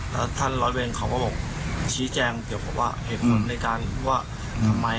แล้วท่านร้อยเวรเขาก็บอกชี้แจงเกี่ยวกับว่าเหตุผลในการว่าทำไม